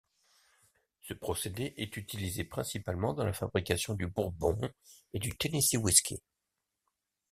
Ce procédé est utilisé principalement dans la fabrication du bourbon et du Tennessee whiskey.